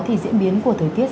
thì diễn biến của thời tiết